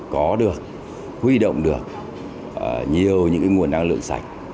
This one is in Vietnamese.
có được huy động được nhiều những nguồn năng lượng sạch